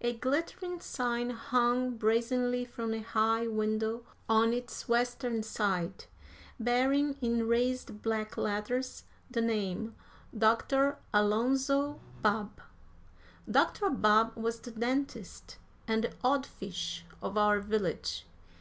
A glittering sign hung brazenly from a high window on its western side, bearing, in raised black letters, the name, "Doctor Alonzo Babb." Dr. Babb was the dentist and the odd fish of our village.